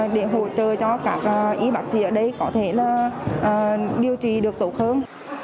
để hỗ trợ cho các y bác sĩ ở đây có thể điều trị được tốt hơn